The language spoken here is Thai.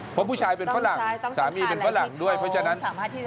เพราะผู้ชายเป็นฝรั่งสามีเป็นฝรั่งด้วยเพราะฉะนั้น